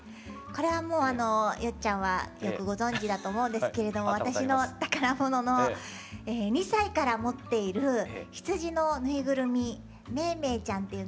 これはもうあのよっちゃんはよくご存じだと思うんですけれども私の宝物の２歳から持っている羊のぬいぐるみメーメーちゃんっていうんですけれども。